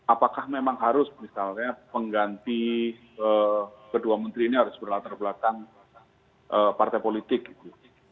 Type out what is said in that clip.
apakah memang harus misalnya pengganti kedua menteri ini harus berlatar belakang partai politik gitu